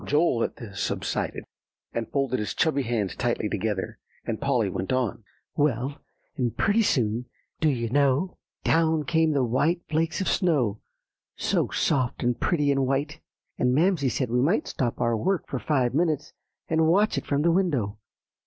Joel, at this, subsided, and folded his chubby hands tightly together, and Polly went on. "Well, and pretty soon, do you know, down came the white flakes of snow, so soft and pretty and white; and Mamsie said we might stop our work for five minutes, and watch it from the window.